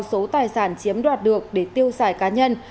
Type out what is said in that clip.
số tài sản chiếm đoạt được để tiêu xài cá nhân